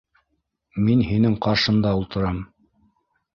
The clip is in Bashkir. Мин һинең ҡаршында ултырам.